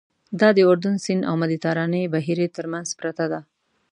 دا د اردن سیند او مدیترانې بحیرې تر منځ پرته ده.